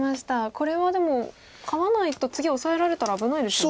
これはでもハワないと次オサえられたら危ないですよね。